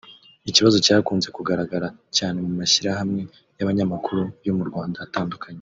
Ikibazo cyakunze kugaragara cyane mu mashyirahamwe y’abanyamakuru yo mu Rwanda atandukanye